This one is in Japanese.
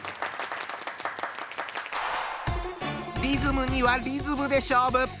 リズムにはリズムで勝負！